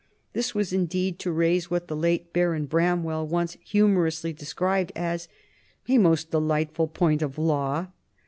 This was indeed to raise what the late Baron Bramwell once humorously described as "a most delightful point of law."